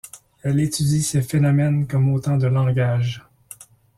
Elle étudie ces phénomènes comme autant de langages.